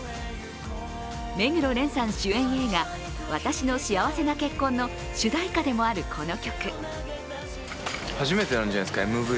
目黒蓮さん主演映画「わたしの幸せな結婚」の主題歌でもあるこの曲。